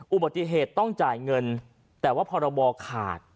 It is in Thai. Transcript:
อุบัติเหตุต้องจ่ายเงินแต่ว่าพรบขาด